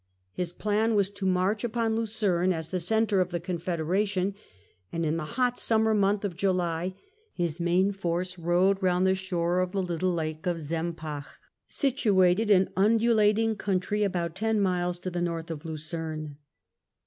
His plan was to march upon Lucerne, as the centre of the Confedera tion ; and in the hot summer month of July his main force rode round the shore of the little Lake of Sem pach, situated in undulating country about ten miles to the north of Lucerne.